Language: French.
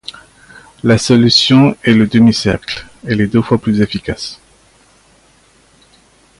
La solution est le demi cercle, elle est deux fois plus efficace.